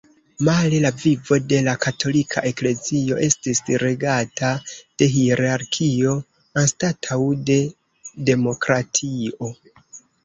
Male la vivo de la katolika eklezio estis regata de hierarkio anstataŭ de demokratio.